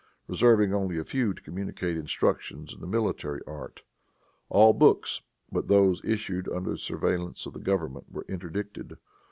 reserving only a few to communicate instruction in the military art. All books, but those issued under the surveillance of the government, were interdicted.